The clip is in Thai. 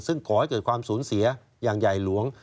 ซึ่งก่อให้เกิดความสูญเสียอย่างใหญ่หลวง